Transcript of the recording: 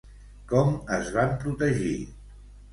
Com es van protegir?